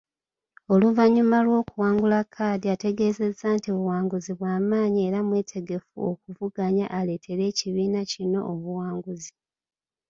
Oluvannyuma lw'okuwangula kkaadi ategeezezza nti buwanguzi bw'amaanyi era mwetegefu okuvuganya aleetere ekibiina kino obuwanguzi.